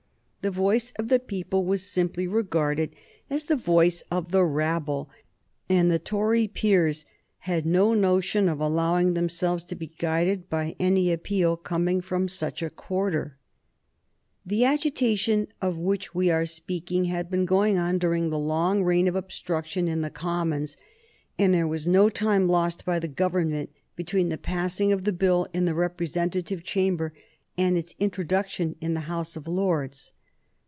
The voice of the people was simply regarded as the voice of the rabble, and the Tory peers had no notion of allowing themselves to be guided by any appeal coming from such a quarter. [Sidenote: 1831 The Reform Bill in the Lords] The agitation of which we are speaking had been going on during the long reign of obstruction in the Commons, and there was no time lost by the Government between the passing of the Bill in the representative Chamber and its introduction in the House of Lords.